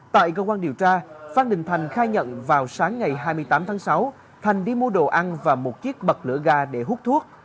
tại cơ quan điều tra phan đình thành khai nhận vào sáng ngày hai mươi tám tháng sáu thành đi mua đồ ăn và một chiếc bật lửa ga để hút thuốc